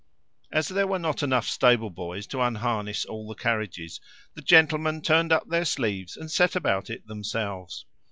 As there were not enough stable boys to unharness all the carriages, the gentlemen turned up their sleeves and set about it themselves.